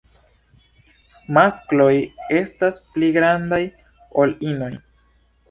Maskloj estas pli grandaj ol inoj.